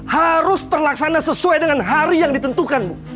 harus terlaksana sesuai dengan hari yang ditentukanmu